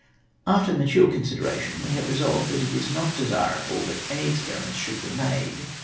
" After mature consideration, we have resolved that it is not desirable that any experiments should be made.